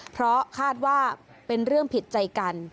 เพราะคาดว่าเป็นเรื่องผิดใจกัน